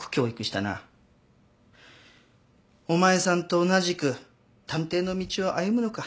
お前さんと同じく探偵の道を歩むのか。